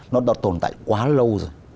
nó đã tồn tại quá lâu rồi